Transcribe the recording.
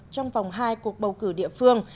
trong vòng hai cuộc bầu cử địa phương